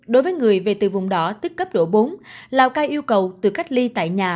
đối với người về từ vùng đỏ tức cấp độ bốn lào cai yêu cầu tự cách ly tại nhà